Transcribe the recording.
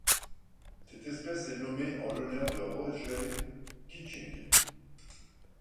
Cette espèce est nommée en l'honneur de Roger Kitching.